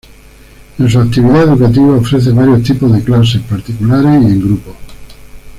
En su actividad educativa ofrece varios tipos de clase: particulares y en grupo.